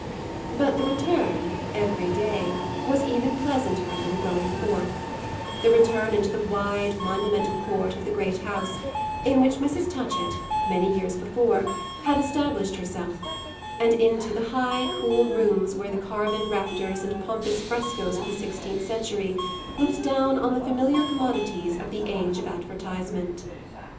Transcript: But the return, every day, was even pleasanter than the going forth; the return into the wide, monumental court of the great house in which Mrs. Touchett, many years before, had established herself, and into the high, cool rooms where the carven rafters and pompous frescoes of the sixteenth century looked down on the familiar commodities of the age of advertisement.